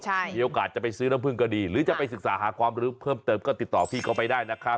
มีโอกาสจะไปซื้อน้ำผึ้งก็ดีหรือจะไปศึกษาหาความรู้เพิ่มเติมก็ติดต่อพี่เขาไปได้นะครับ